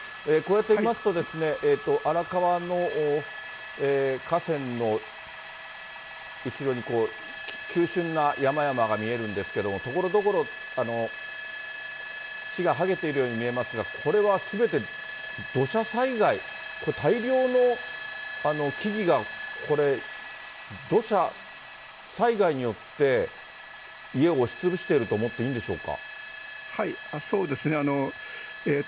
こうやって見ますと、荒川の河川の後ろに急しゅんな山々が見えるんですけども、ところどころ、土が剥げているように見えますが、これはすべて土砂災害、これ、大量の木々がこれ、土砂災害によって、家を押しつぶしていると思っていいんでしょうそうですね。